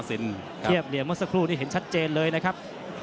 เทียบเหลี่ยเมื่อสักครู่นี้เห็นชัดเจนเลยนะครับ